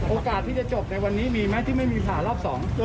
โอกาสที่จะจบในวันนี้มีไหมที่ไม่มีผ่ารอบ๒